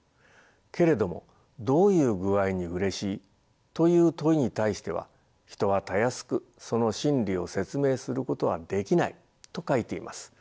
けれども『どういう具合にうれしい』という問いに対しては人はたやすくその心理を説明することはできない」と書いています。